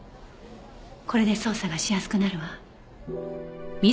これで捜査がしやすくなるわ。